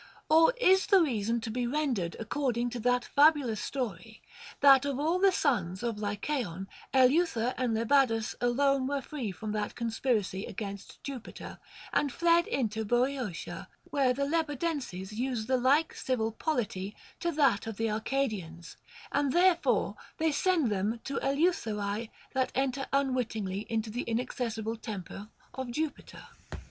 Or is the reason to be ren dered according to that fabulous story, that of all the sons of Lycaon Eleuther and Lebadus alone were free from that conspiracy against Jupiter, and fled into Boeotia, where the Lebadenses use the like civil polity to that of the Arcadians, and therefore they send them to Eleutherae that enter unwittingly into the inaccessible temple of Ju piter?